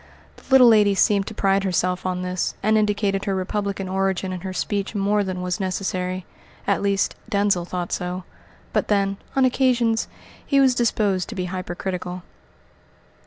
The little lady seemed to pride herself on this, and indicated her republican origin in her speech more than was necessary at least, Denzil thought so. But then, on occasions, he was disposed to be hyper critical.